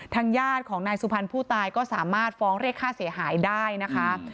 ญาติของนายสุพรรณผู้ตายก็สามารถฟ้องเรียกค่าเสียหายได้นะคะ